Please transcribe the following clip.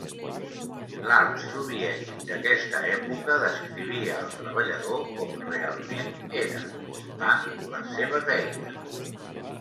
L'art soviètic d'aquesta època descrivia el treballador com realment era, portant les seves eines.